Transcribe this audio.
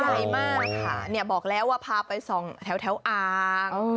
ใหญ่มากค่ะบอกแล้วว่าพาไปส่องแถวอ่าง